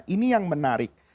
ini yang menarik